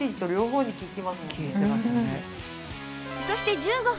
そして